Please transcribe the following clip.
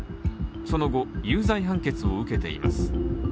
その後、有罪判決を受けています。